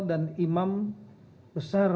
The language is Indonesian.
dan imam besar